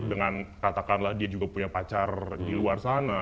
dengan katakanlah dia juga punya pacar di luar sana